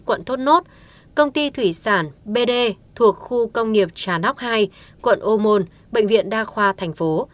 quận thốt nốt công ty thủy sản bd thuộc khu công nghiệp trà nóc hai quận ô môn bệnh viện đa khoa thành phố